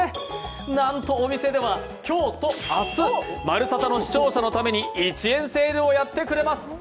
なんとお店では、今日と明日、「まるサタ」の視聴者のために１円セールをやってくれます。